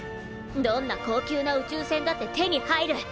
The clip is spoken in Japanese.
どんな高級な宇宙船だって手に入る！